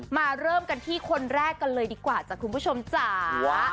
มาเริ่มกันที่คนแรกกันเลยดีกว่าจ้ะคุณผู้ชมจ๋า